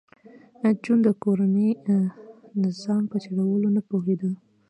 جون د کورني نظام په چلولو نه پوهېده